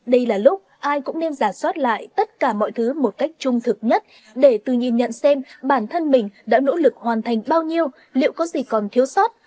đây là lúc ai cũng nên giả soát lại tất cả mọi thứ một cách trung thực nhất để tự nhìn nhận xem bản thân mình đã nỗ lực hoàn thành bao nhiêu liệu có gì còn thiếu sót